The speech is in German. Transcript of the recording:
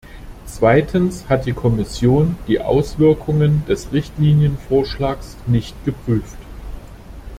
Zweitens hat die Kommission die Auswirkungen des Richtlinienvorschlags nicht geprüft.